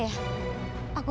sekarang orang bucks